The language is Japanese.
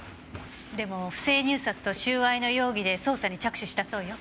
でも不正入札と収賄の容疑で捜査に着手したそうよ。